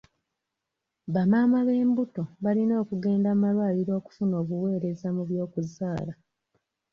Bamaama b'embuto balina okugenda mu malwaliro okufuna obuweereza mu by'okuzaala.